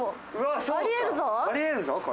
あり得るぞ。